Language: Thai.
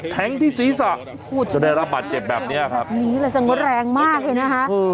แท้งที่ศีรษะจะได้รับบัตรเจ็บแบบเนี้ยครับนี่แหล่งมากเลยนะฮะ